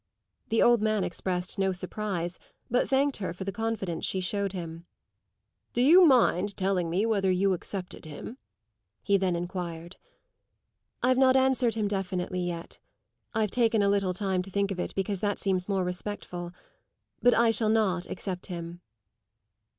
The old man expressed no surprise, but thanked her for the confidence she showed him. "Do you mind telling me whether you accepted him?" he then enquired. "I've not answered him definitely yet; I've taken a little time to think of it, because that seems more respectful. But I shall not accept him."